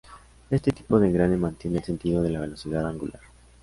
Este tipo de engrane mantiene el sentido de la velocidad angular.